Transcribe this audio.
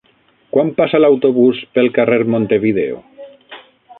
Quan passa l'autobús pel carrer Montevideo?